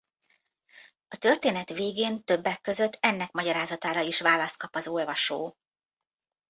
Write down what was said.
A történet végén többek között ennek magyarázatára is választ kap az olvasó.